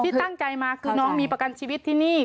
ที่ตั้งใจมาคือน้องมีประกันชีวิตที่นี่